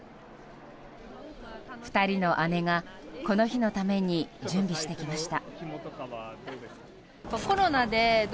２人の姉がこの日のために準備してきました。